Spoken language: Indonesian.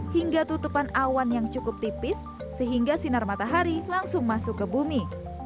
hingga tutupan awan yang cukup tipis sehingga sinar matahari langsung masuk ke bumi